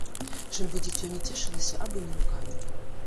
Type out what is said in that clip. Чым бы дзіцё не цешылася, абы не рукамі.